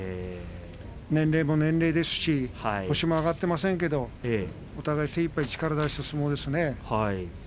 年齢も年齢だし星も挙がっていませんがお互いに精いっぱい力を出した相撲ですよね。